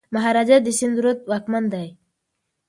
مهاراجا د سند رود واکمن دی.